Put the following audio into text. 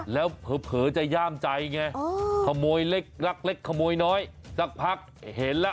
แล้วเผลอจะย่ามใจไงขโมยเล็กรักเล็กขโมยน้อยสักพักเห็นแล้ว